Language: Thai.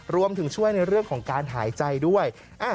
รวมถึงช่วยในเรื่องของการหายใจด้วย